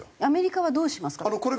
アメリカはどうしますかね？